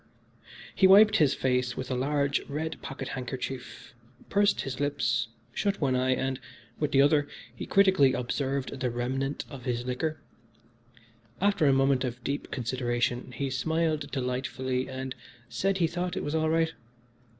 X He wiped his face with a large, red pocket handkerchief, pursed his lips, shut one eye, and, with the other, he critically observed the remnant of his liquor. After a moment of deep consideration he smiled delightfully and said he thought it was all right.